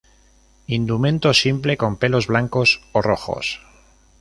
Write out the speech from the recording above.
Indumento simple, con pelos blancos o rojos.